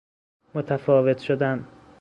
متفاوت شدن